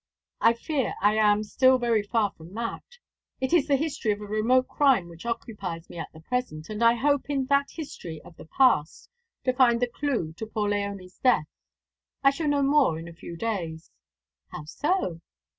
"I fear I am still very far from that. It is the history of a remote crime which occupies me at the present, and I hope in that history of the past to find the clue to poor Léonie's death. I shall know more in a few days." "How so?"